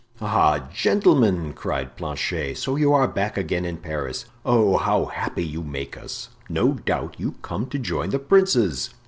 "Ah, gentlemen!" cried Planchet, "so you are back again in Paris. Oh, how happy you make us! no doubt you come to join the princes!"